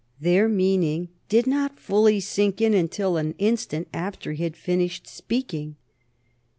Their meaning did not fully sink in until an instant after he had finished speaking.